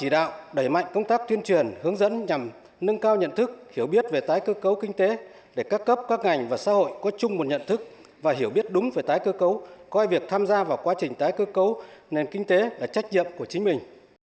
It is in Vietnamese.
đúng với tái cơ cấu coi việc tham gia vào quá trình tái cơ cấu nền kinh tế là trách nhiệm của chính mình